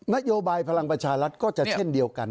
นโยบายพลังประชารัฐก็จะเช่นเดียวกัน